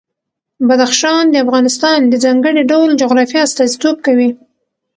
بدخشان د افغانستان د ځانګړي ډول جغرافیه استازیتوب کوي.